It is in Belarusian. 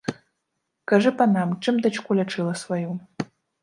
Кажы панам, чым дачку лячыла сваю?